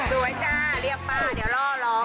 ดูดีจ้าเรียกป้าเดี๋ยวล่อลอง